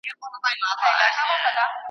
مکتب پرانیستی د جینکیو .